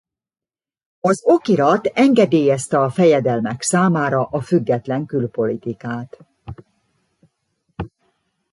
Az okirat engedélyezte a fejedelmek számára a független külpolitikát.